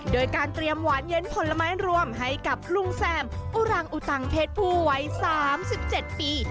โดยการเตรียมหวานเย็นผลไม้รวมให้กับลุงแซมอุรังอุตังเพศผู้วัย๓๗ปี